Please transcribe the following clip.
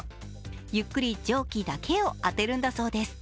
ゆっくり蒸気だけを当てるんだそうです。